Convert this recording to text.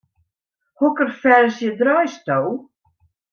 Hokker ferzje draaisto?